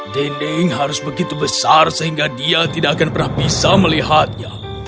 dinding harus begitu besar sehingga dia tidak akan pernah bisa melihatnya